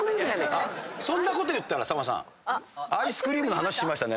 そんなこと言ったらアイスクリームの話しましたね